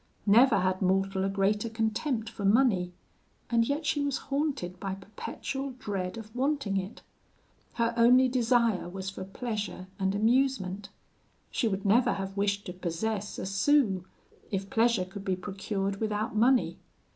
Never had mortal a greater contempt for money, and yet she was haunted by perpetual dread of wanting it. Her only desire was for pleasure and amusement. She would never have wished to possess a sou, if pleasure could be procured without money.